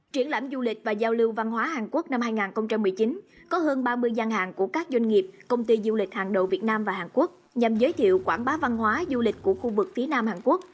triển lãm du lịch và giao lưu văn hóa hàn quốc năm hai nghìn một mươi chín có hơn ba mươi gian hàng của các doanh nghiệp công ty du lịch hàng đầu việt nam và hàn quốc nhằm giới thiệu quảng bá văn hóa du lịch của khu vực phía nam hàn quốc